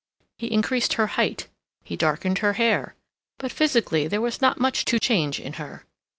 He increased her height, he darkened her hair; but physically there was not much to change in her.